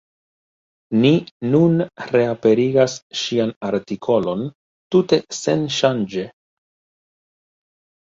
Ni nun reaperigas ŝian artikolon tute senŝanĝe.